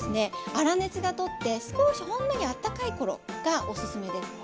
粗熱が取って少しほんのりあったかいころがおすすめです。